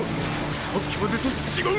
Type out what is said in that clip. さっきまでと違う！